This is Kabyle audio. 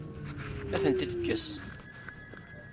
Ad tent-id-tekkes?